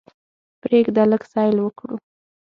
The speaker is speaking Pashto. پریږده لږ سیل وکړو.